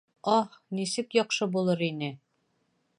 — Аһ, нисек яҡшы булыр ине!